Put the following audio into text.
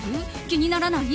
気にならない？